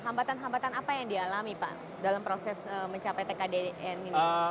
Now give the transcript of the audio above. hambatan hambatan apa yang dialami pak dalam proses mencapai tkdn ini